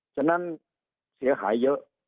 ฉะนั้นเสียหายเยอะ